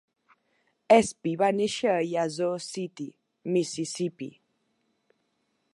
Espy va néixer a Yazoo City, Mississippi.